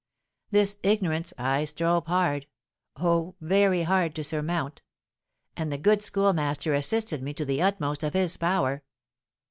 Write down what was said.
This ignorance I strove hard—oh! very hard to surmount; and the good schoolmaster assisted me to the utmost of his power.